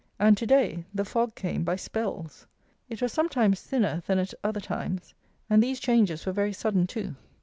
And, to day, the fog came by spells. It was sometimes thinner than at other times; and these changes were very sudden too.